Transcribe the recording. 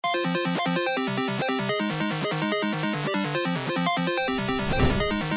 สวัสดีครับ